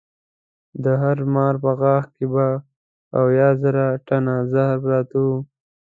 د هر مار په غاښ کې به اویا زره ټنه زهر پراته وي.